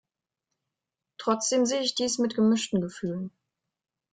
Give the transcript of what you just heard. Trotzdem sehe ich dies mit gemischten Gefühlen.